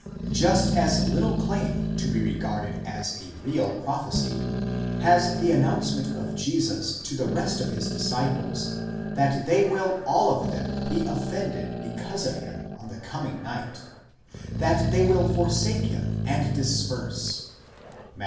Just as little claim to be regarded as a real prophecy has the announcement of Jesus to the rest of his disciples that they will all of them be offended because of him in the coming night, that they will forsake him and disperse (Matt.